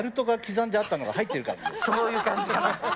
そういう感じかな。